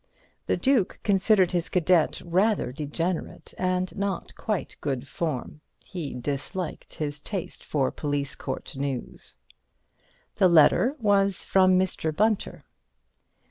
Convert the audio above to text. The Duke considered his cadet rather degenerate, and not quite good form; he disliked his taste for police court news. The letter was from Mr. Bunter.